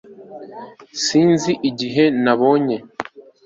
sinzi igihe nabonye